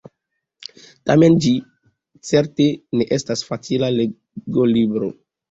Tamen ĝi certe ne estas facila legolibro!